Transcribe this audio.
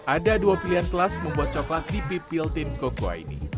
ada dua pilihan kelas membuat coklat di pipil tim kokoa ini